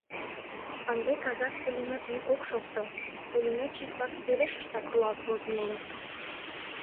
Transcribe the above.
Ынде казак пулемёт йӱк ок шокто: пулемётчик-влак верешыштак руалт возын улыт.